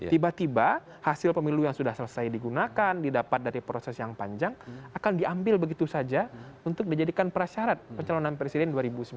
tiba tiba hasil pemilu yang sudah selesai digunakan didapat dari proses yang panjang akan diambil begitu saja untuk dijadikan prasyarat pencalonan presiden dua ribu sembilan belas